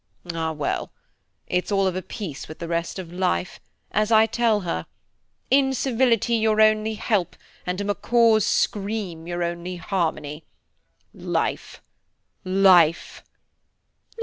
Ah well! it's all of a piece with the rest of life, as I tell her. Incivility your only help, and a macaw's scream your only harmony. Life! life!"